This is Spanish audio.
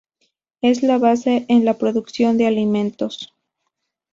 Es la base en la producción de alimentos.